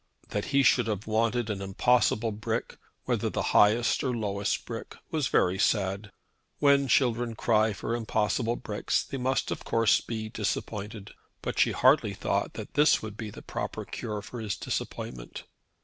That he should have wanted an impossible brick, whether the highest or lowest brick, was very sad. When children cry for impossible bricks they must of course be disappointed. But she hardly thought that this would be the proper cure for his disappointment.